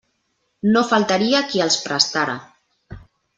No faltaria qui els prestara.